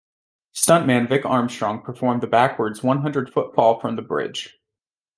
Stuntman Vic Armstrong performed the backwards one-hundred-foot fall from the bridge.